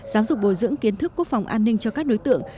giáo dục bồi dưỡng kiến thức quốc phòng an ninh cho các đối tượng